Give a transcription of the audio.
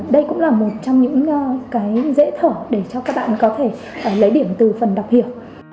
đây cũng là một trong những cái dễ thở để cho các bạn có thể lấy điểm từ phần đọc hiểu